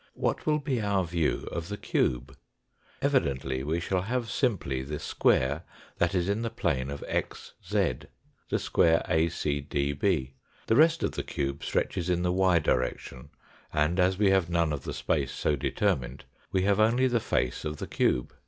What will be our view of the cube ? Evidently we shall have simply the square that is in the plane of xz, the square ACDB. The rest of the cube stretches in the y direction, and, as we have none of the space so determined, we have only the face of the cube.